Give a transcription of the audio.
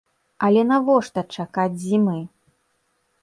Але навошта чакаць зімы?